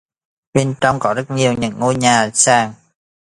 Bên trong rất nhiều những ngôi nhà sàn